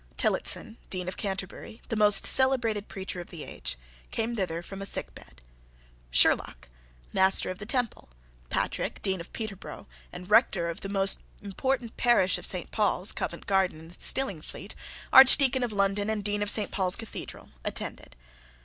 Tillotson, Dean of Canterbury, the most celebrated preacher of the age, came thither from a sick bed. Sherlock, Master of the Temple, Patrick, Dean of Peterborough and Rector of the important parish of St. Paul's, Covent Garden, and Stillingfleet, Archdeacon of London and Dean of St. Paul's Cathedral, attended.